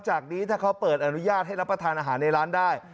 จากนี้ถ้าเขาเปิดอนุญาตให้รับประทานอาหารในร้านได้